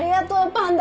パンダ